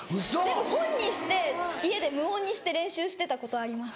本にして家で無音にして練習してたことあります。